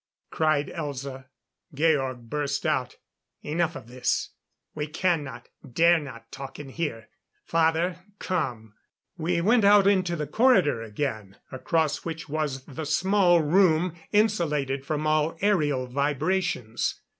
cried Elza. Georg burst out. "Enough of this. We cannot dare not talk in here. Father, come " We went out into the corridor again, across which was the small room insulated from all aerial vibrations.